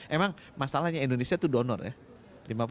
emang masalahnya indonesia itu donor ya